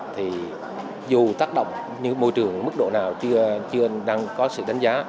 thì dù tác động môi trường mức độ nào chưa có sự đánh giá